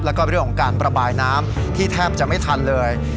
แล้วก็เรื่องของการประบายน้ำที่แทบจะไม่ทันเลย